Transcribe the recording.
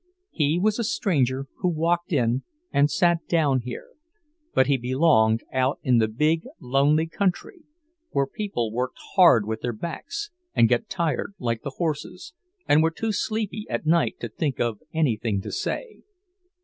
He was a stranger who walked in and sat down here; but he belonged out in the big, lonely country, where people worked hard with their backs and got tired like the horses, and were too sleepy at night to think of anything to say.